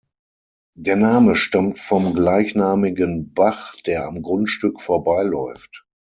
Der Name stammt vom gleichnamigen Bach der am Grundstück vorbeiläuft.